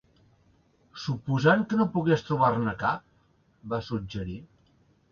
"Suposant que no pogués trobar-ne cap?" va suggerir.